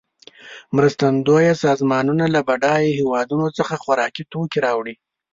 مرستندویه سازمانونه له بډایه هېوادونو څخه خوارکي توکې راوړي.